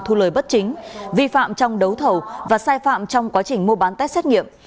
thu lời bất chính vi phạm trong đấu thầu và sai phạm trong quá trình mua bán test xét nghiệm